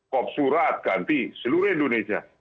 kopsurat ganti seluruh indonesia